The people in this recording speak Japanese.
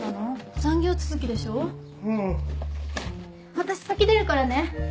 私先出るからね。